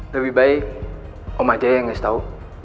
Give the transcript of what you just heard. lebih baik om aja yang ngasih tahu